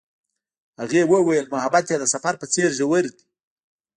هغې وویل محبت یې د سفر په څېر ژور دی.